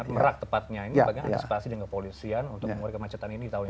merak tepatnya ini bagaimana antisipasi dengan kepolisian untuk mengurai kemacetan ini tahun ini